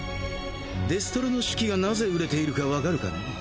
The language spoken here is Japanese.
デストロの手記が何故売れているかわかるかね？